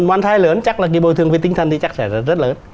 oan sai lớn chắc là cái bồi thường về tinh thần thì chắc sẽ rất lớn